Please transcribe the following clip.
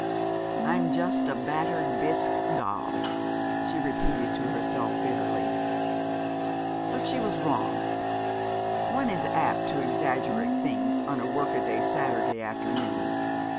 "I'm just a battered bisque doll!" she repeated to herself bitterly. But she was wrong. One is apt to exaggerate things on a workaday Saturday afternoon.